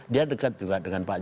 dia dekat juga dengan pak jokowi